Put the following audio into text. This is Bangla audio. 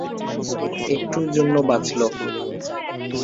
একটুর জন্য বাঁচলো।